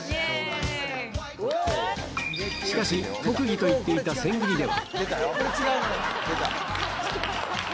しかし、特技と言っていた千切りでは。